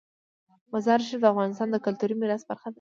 مزارشریف د افغانستان د کلتوري میراث برخه ده.